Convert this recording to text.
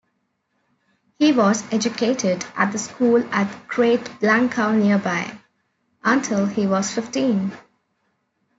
He was educated at the school at Great Blencow nearby, until he was fifteen.